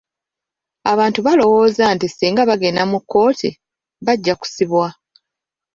Abantu balowooza nti singa bagenda mu kkooti, bajja kusibwa.